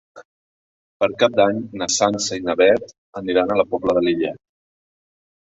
Per Cap d'Any na Sança i na Beth aniran a la Pobla de Lillet.